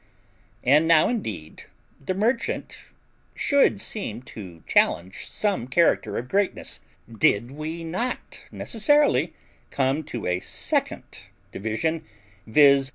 And now indeed the merchant should seem to challenge some character of greatness, did we not necessarily come to a second division, viz.